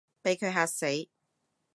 畀佢嚇死